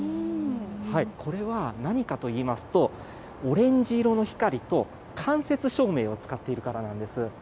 これは何かといいますと、オレンジ色の光と間接照明を使っているからなんです。